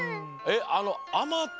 あのあまつ。